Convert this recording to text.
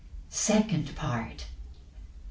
Second Part. L.